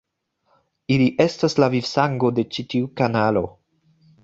Ili estas la vivsango de ĉi tiu kanalo.